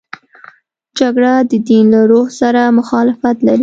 جګړه د دین له روح سره مخالفت لري